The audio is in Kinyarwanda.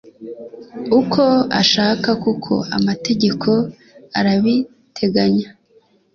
uko ashaka kuko amategeko arabiteganya